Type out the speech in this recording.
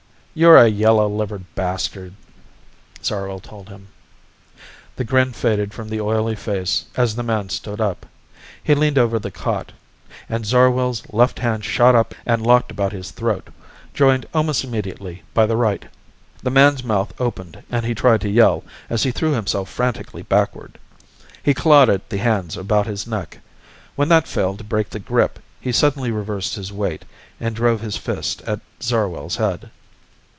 "You're a yellow livered bastard," Zarwell told him. The grin faded from the oily face as the man stood up. He leaned over the cot and Zarwell's left hand shot up and locked about his throat, joined almost immediately by the right. The man's mouth opened and he tried to yell as he threw himself frantically backward. He clawed at the hands about his neck. When that failed to break the grip he suddenly reversed his weight and drove his fist at Zarwell's head.